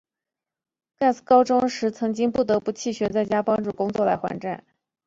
盖茨高中时曾经不得不弃学在家里帮助工作来还债。